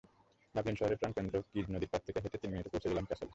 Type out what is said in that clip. Dublin শহরের প্রাণকেন্দ্র কিজ নদীর পাড় থেকে হেঁটে তিন মিনিটে পৌঁছে গেলাম ক্যাসলে।